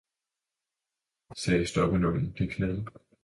sagde stoppenålen, det klæder!